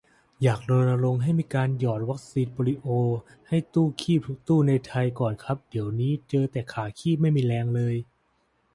อยากรณรงค์ให้มีการหยอดวัคซีนโปลิโอให้ตู้คีบทุกตู้ในไทยก่อนครับ เดี๋ยวนี้เจอแต่ขาคีบไม่มีแรง